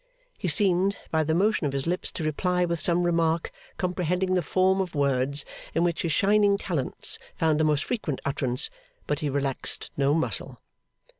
he seemed, by the motion of his lips, to reply with some remark comprehending the form of words in which his shining talents found the most frequent utterance, but he relaxed no muscle.